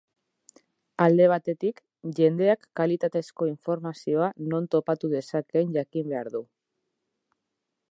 Alde batetik, jendeak kalitatezko informazioa non topatu dezakeen jakin behar du.